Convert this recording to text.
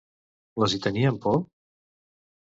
Les hi tenien por?